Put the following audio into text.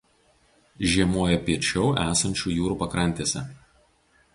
Žiemoja piečiau esančių jūrų pakrantėse.